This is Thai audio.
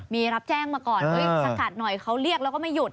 มีรับแจ้งมาก่อนสกัดหน่อยเขาเรียกแล้วก็ไม่หยุด